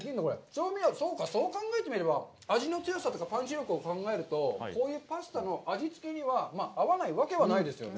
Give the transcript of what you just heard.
調味料、そうか、そう考えてみれば、味の強さとかパンチ力を考えると、こういうパスタの味付けには合わないわけはないですよね。